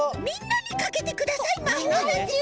みんなにかけてください。